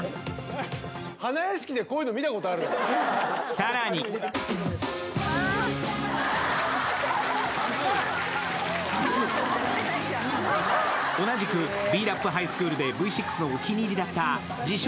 更に同じくＢ−ＲＡＰハイスクールでＶ６のお気に入りだった自称